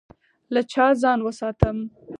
له چا ځان وساتم؟